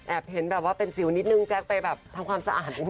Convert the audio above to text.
เห็นแบบว่าเป็นสิวนิดนึงแจ๊คไปแบบทำความสะอาด